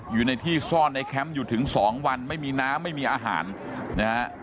อยู่ในที่ซ่อนในแคมป์อยู่ถึงสองวันไม่มีน้ำไม่มีอาหารนะฮะ